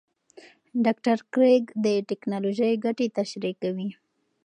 ډاکټر کریګ د ټېکنالوژۍ ګټې تشریح کوي.